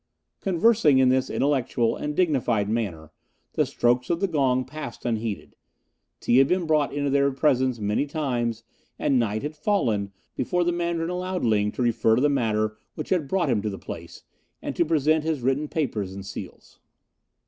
Conversing in this intellectual and dignified manner, the strokes of the gong passed unheeded; tea had been brought into their presence many times, and night had fallen before the Mandarin allowed Ling to refer to the matter which had brought him to the place, and to present his written papers and seals.